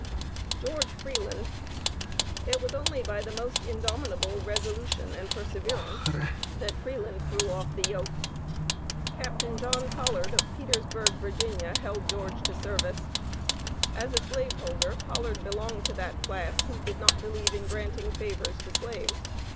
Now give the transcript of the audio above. GEORGE FREELAND. It was only by the most indomitable resolution and perseverance, that Freeland threw off the yoke. Capt. John Pollard of Petersburg, Va., held George to service. As a Slave holder, Pollard belonged to that class, who did not believe in granting favors to Slaves.